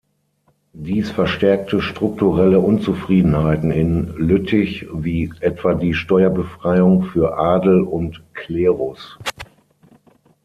Dies verstärkte strukturelle Unzufriedenheiten in Lüttich wie etwa die Steuerbefreiung für Adel und Klerus.